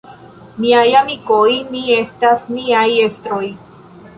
Miaj amikoj, ni estas niaj estroj.